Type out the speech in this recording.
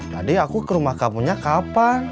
tadi aku ke rumah kamunya kapan